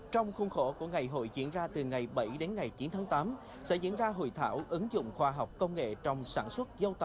trong khuôn khổ của ngày hội diễn ra từ ngày bảy đến ngày chín tháng tám sẽ diễn ra hội thảo ứng dụng khoa học công nghệ trong sản xuất giao tầm tơ lụa